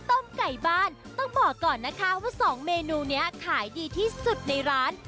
ต้มไก่บ้านต้องบอกก่อนนะคะว่าสองเมนูนี้ขายดีที่สุดในร้าน